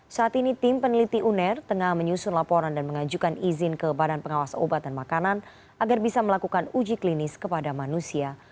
saat ini tim peneliti uner tengah menyusun laporan dan mengajukan izin ke badan pengawas obat dan makanan agar bisa melakukan uji klinis kepada manusia